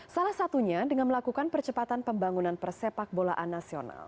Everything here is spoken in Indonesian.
salah satunya dengan melakukan percepatan pembangunan persepak bolaan nasional